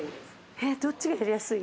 えっどっちがやりやすい？